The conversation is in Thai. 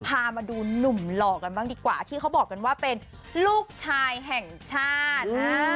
พามาดูหนุ่มหล่อกันบ้างดีกว่าที่เขาบอกกันว่าเป็นลูกชายแห่งชาติ